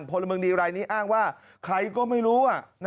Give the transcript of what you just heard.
พลเมืองดีรายนี้อ้างว่าใครก็ไม่รู้